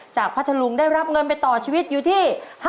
พัทธลุงได้รับเงินไปต่อชีวิตอยู่ที่